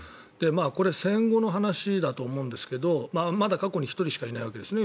これは戦後の話だと思うんですがまだ過去に１人しかいないわけですね。